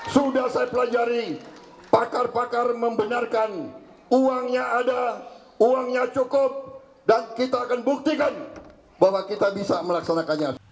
sudah saya pelajari pakar pakar membenarkan uangnya ada uangnya cukup dan kita akan buktikan bahwa kita bisa melaksanakannya